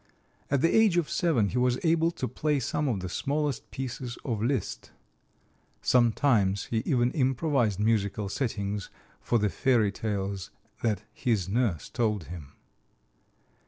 At the age of seven he was able to play some of the smaller pieces of Liszt. Sometimes he even improvised musical settings for the fairy tales that his nurse told him.